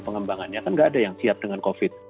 pengembangannya kan nggak ada yang siap dengan covid